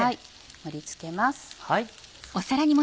盛り付けます。